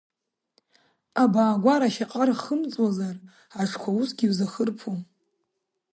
Абаагәара ашьаҟар хымҵуазар, аҽқәа усгьы иузахырԥом!